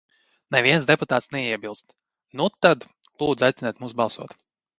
Neviens deputāts neiebilst, nu tad, lūdzu, aiciniet mūs balsot!